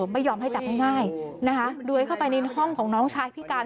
ไม่ยอมให้จับง่ายนะคะรวยเข้าไปในห้องของน้องชายพิการ